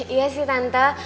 iya sih tante